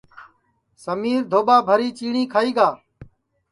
سمِیر دھوٻا بھری چیٹی کھائی گا